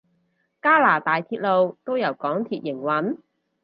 加拿大鐵路都由港鐵營運？